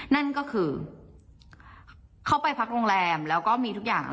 นั่นก็คือเขาไปพักโรงแรมแล้วก็มีทุกอย่าง